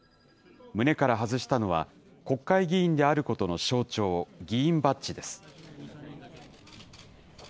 胸から外したのは、国会議員であることの象徴、議員バッジです。